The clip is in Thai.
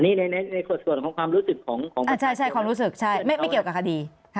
ในส่วนของความรู้สึกของใช่ความรู้สึกใช่ไม่เกี่ยวกับคดี